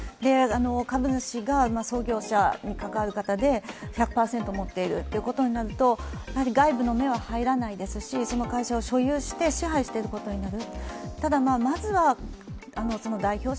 株主が創業者に関わる方で１００％持っているということになると外部の目は入らないですし、その会社を所有して支配していることになる。